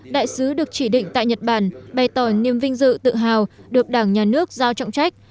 đại sứ được chỉ định tại nhật bản bày tỏ niềm vinh dự tự hào được đảng nhà nước giao trọng trách